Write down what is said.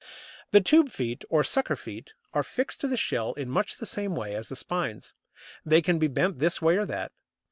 The tube feet, or sucker feet, are fixed to the shell in much the same way as the spines. They can be bent this way or that.